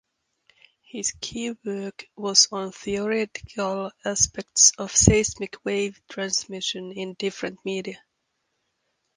His key work was on theoretical aspects of seismic wave transmission in different media.